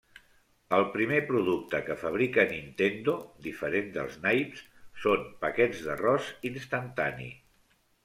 El primer producte que fabrica Nintendo, diferent dels naips, són paquets d'arròs instantani.